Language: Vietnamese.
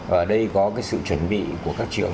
và ở đây có sự chuẩn bị của các trường